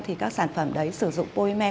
thì các sản phẩm đấy sử dụng polymer